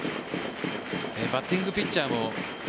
バッティングピッチャー